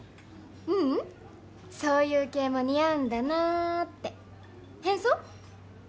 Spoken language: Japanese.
ううんそういう系も似合うんだなぁって変装？